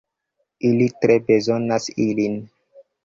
Ili tre bezonas ilin.